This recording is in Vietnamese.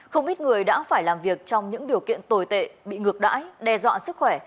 không ít người đã phải làm việc trong những điều kiện tồi tệ bị ngược đãi đe dọa sức khỏe